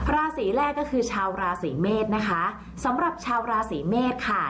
ราศีแรกก็คือชาวราศีเมษนะคะสำหรับชาวราศีเมษค่ะ